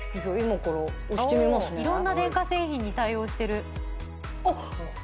「色んな電化製品に対応してる」あっ！